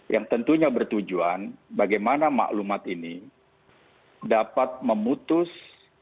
yang tentunya bertujuan bagaimana maklumat ini dapat memutus